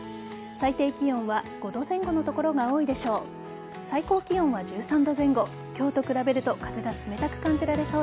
最低気温は５度前後の所が多いでしょう。